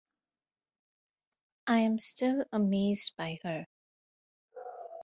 I'm still amazed by her.